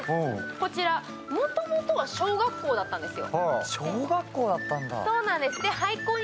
こちら、もともとは小学校だったんですよ。